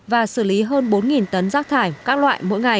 và xử lý hơn bốn tấn rác thải các loại mỗi ngày